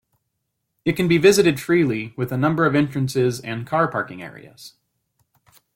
It can be visited freely, with a number of entrances and car parking areas.